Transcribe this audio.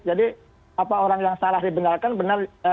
jadi apa orang yang salah dibenarkan benar